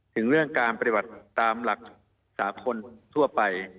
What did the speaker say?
ถึงเรื่องการปฏิบัติตามหลักสากลทั่วไป